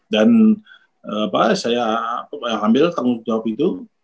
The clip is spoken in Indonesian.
dan apa saya ambil tanggung jawab itu